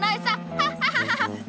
ハッハハハ！